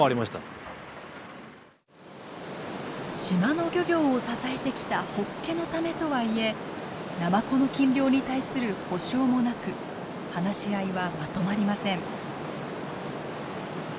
島の漁業を支えてきたホッケのためとはいえナマコの禁漁に対する補償もなく話し合いはまとまりません。